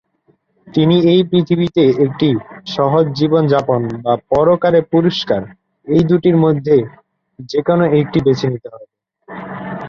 তিনি এই পৃথিবীতে একটি 'সহজ জীবন যাপন' বা 'পরকালে পুরষ্কার' এই দুটির মধ্যে যেকোন একটি বেছে নিতে হবে।